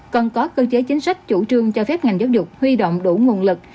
còn có cơ chế chính sách chủ trương cho phép ngành dục huy động đủ nguồn lực